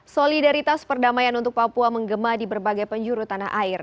solidaritas perdamaian untuk papua menggema di berbagai penjuru tanah air